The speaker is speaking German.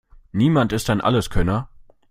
Niemand ist ein Alleskönner.